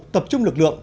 tập trung lực lượng